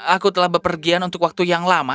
aku telah berpergian untuk waktu yang lama